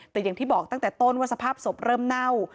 แต่อย่างที่บอกตั้งแต่ต้นว่าสภาพศพเริ่มเน่า